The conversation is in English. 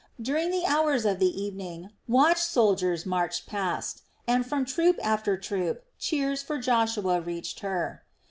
During the hours of the evening watch soldiers marched past, and from troop after troop cheers for Joshua reached her.